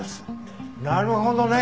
なるほどね。